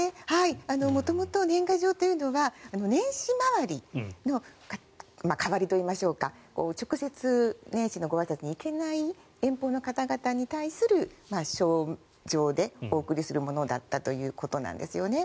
元々、年賀状というのが年始回りの代わりといいましょうか直接年始のごあいさつに行けない遠方の方々に対する書状でお送りするものだったということなんですよね。